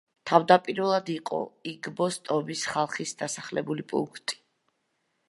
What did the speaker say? თავდაპირველად იყო იგბოს ტომის ხალხის დასახლებული პუნქტი.